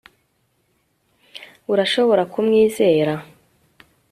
urashobora kumwizera